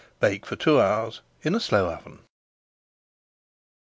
Bake for two hours in a slow oven.